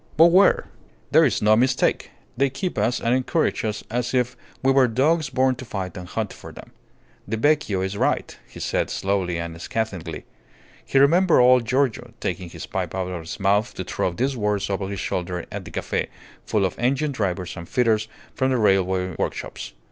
But where? "There is no mistake. They keep us and encourage us as if we were dogs born to fight and hunt for them. The vecchio is right," he said, slowly and scathingly. He remembered old Giorgio taking his pipe out of his mouth to throw these words over his shoulder at the cafe, full of engine drivers and fitters from the railway workshops.